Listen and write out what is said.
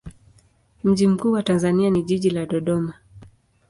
Mji mkuu wa Tanzania ni jiji la Dodoma.